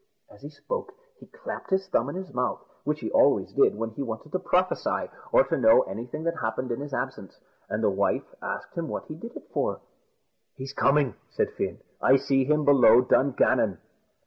As he spoke, he clapped his thumb in his mouth, which he always did when he wanted to prophesy, or to know anything that happened in his absence; and the wife asked him what he did it for. "He's coming," said Fin; "I see him below Dungannon."